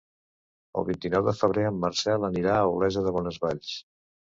El vint-i-nou de febrer en Marcel anirà a Olesa de Bonesvalls.